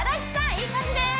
いい感じです